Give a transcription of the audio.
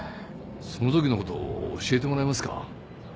その時の事教えてもらえますか？